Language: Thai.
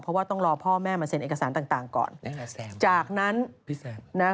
เพราะว่าต้องรอพ่อแม่มาเซ็นเอกสารต่างก่อน